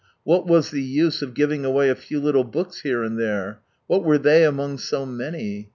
What was the use of giving away a few little books here and there ? What were they among so many